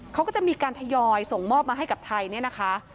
เขาก็จะมีการทยอยส่งมอบมาให้กับไทยเนี่ยนะคะ